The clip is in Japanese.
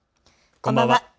こんばんは。